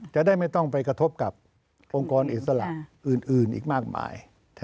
จะได้ไม่ต้องไปกระทบกับองค์กรอิสระอื่นอีกมากมาย